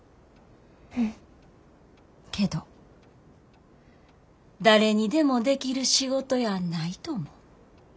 けど誰にでもできる仕事やないと思う。